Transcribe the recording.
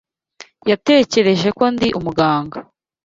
Yatekereje ko ndi umuganga.